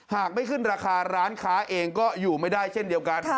หากไม่ขึ้นราคาร้านค้าเองก็อยู่ไม่ได้เช่นเดียวกัน